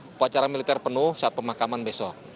upacara militer penuh saat pemakaman besok